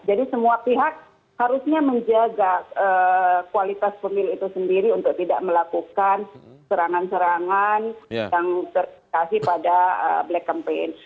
jadi semua pihak harusnya menjaga kualitas pemilu itu sendiri untuk tidak melakukan serangan serangan yang terikasi pada black campaign